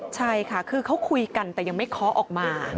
ใช่ค่ะคือเขาคุยกันแต่ยังไม่เคาะออกมา